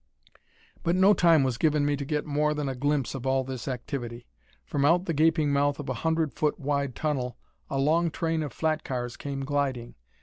But no time was given me to get more than a glimpse of all this activity. From out the gaping mouth of a hundred foot wide tunnel a long train of flat cars came gliding.